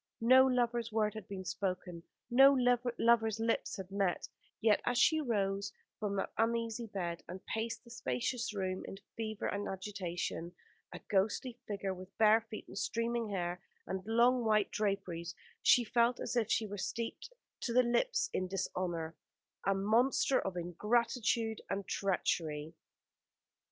No lovers' word had been spoken, no lovers' lips had met; yet as she rose from that uneasy bed, and paced the spacious room in fever and agitation, a ghostly figure, with bare feet and streaming hair, and long white draperies, she felt as if she were steeped to the lips in dishonour a monster of ingratitude and treachery.